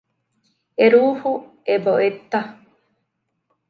އެ ރޫޙު އެބަ އޮތްތަ؟